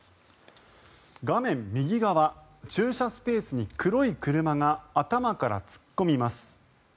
画面右側、駐車スペースに黒い車が頭から突っ込みます。